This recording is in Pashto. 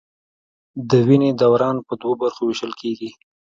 د وینې دوران په دوو برخو ویشل کېږي.